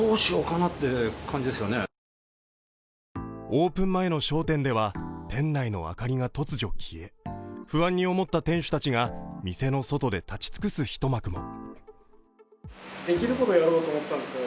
オープン前の商店では、店内の明かりが突如消え不安に思った店主たちが店の外で立ち尽くす一幕も。